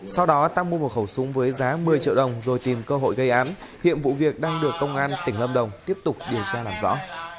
sau đó tăng mua một khẩu súng với giá một mươi triệu đồng rồi tìm cơ hội gây án hiện vụ việc đang được công an tỉnh lâm đồng tiếp tục điều tra làm rõ